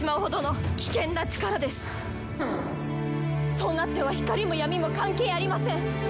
そうなっては光も闇も関係ありません！